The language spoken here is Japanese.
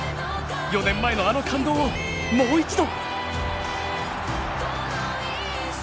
４年前のあの感動をもう一度！